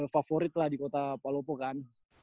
favorit lah di kota palopo kan